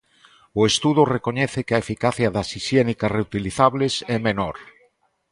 O estudo recoñece que a eficacia das hixiénicas reutilizables é menor.